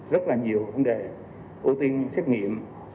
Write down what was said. rất là nhiều vấn đề ưu tiên xét nghiệm